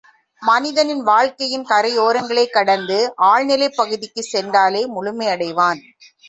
மனிதன் வாழ்க்கையின் கரையோரங்களைக் கடந்து ஆழ்நிலைப் பகுதிக்குச் சென்றாலே முழுமை யடைவான்.